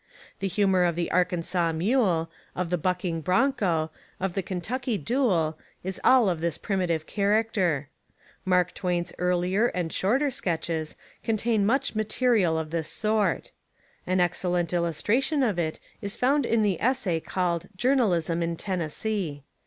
The humour of the Arkansas' mule, of the bucking broncho, of the Kentucky duel, is all of this primitive character. Mark Twain's earher and shorter sketches contain much material of this sort. An excellent Illus tration of It Is found In the essay called "Jour nalism In Tennessee."